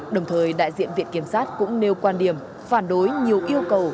đồng thời đại diện viện kiểm sát cũng nêu quan điểm phản đối nhiều yêu cầu